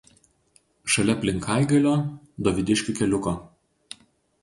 Šalia Plinkaigalio–Dovydiškių keliuko.